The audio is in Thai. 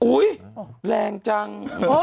อุ้ยแรงจัง